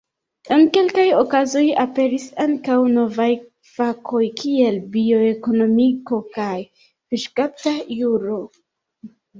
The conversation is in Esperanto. En kelkaj okazoj aperis ankaŭ novaj fakoj kiel bioekonomiko kaj fiŝkapta juro.